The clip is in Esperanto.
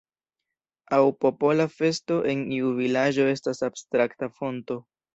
Aŭ popola festo en iu vilaĝo estas abstrakta fonto.